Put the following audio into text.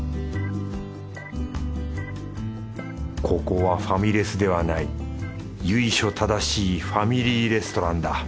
ここはファミレスではない由緒正しいファミリーレストランだ